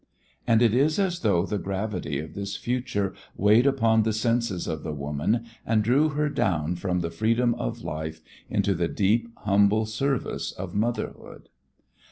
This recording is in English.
And it is as though the gravity of this future weighed upon the senses of the woman and drew her down from the freedom of life into the deep, humble service of motherhood.